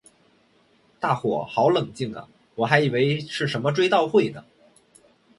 大伙好冷静啊我还以为是什么追悼会呢